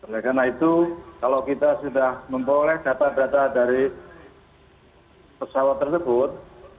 oleh karena itu kalau kita sudah memperoleh data data dari pesawat tersebut